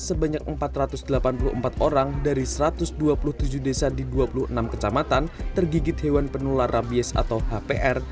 sebanyak empat ratus delapan puluh empat orang dari satu ratus dua puluh tujuh desa di dua puluh enam kecamatan tergigit hewan penular rabies atau hpr